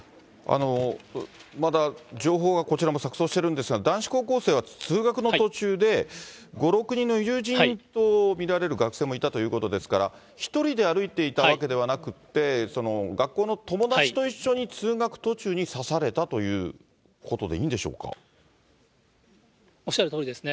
まだ情報がこちらも錯そうしてるんですが、男子高校生は通学の途中で、５、６人の友人と見られる学生もいたということですから、１人で歩いていたわけではなくって、学校の友達と一緒に通学途中に刺されたということでいいんでしょおっしゃるとおりですね。